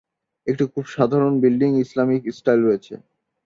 একটি খুব সাধারণ বিল্ডিং ইসলামিক স্টাইল রয়েছে।